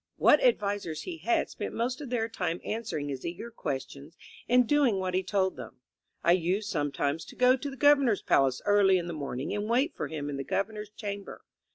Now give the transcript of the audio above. What advisers he had spent most of their time answering his eager questions and doing what he told them. I used sometimes to go to the Gov ernor's palace early in the morning and wait for him in the Governor's chamber.